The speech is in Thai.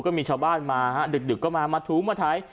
ก็มีชาวบ้านมาฮะดึกก็มามาถูมาถ่าย